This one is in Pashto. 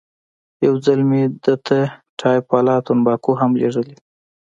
یو ځل مې ده ته پایپ والا تنباکو هم لېږلې وې.